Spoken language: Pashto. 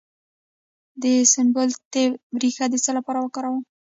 د سنبل الطیب ریښه د څه لپاره وکاروم؟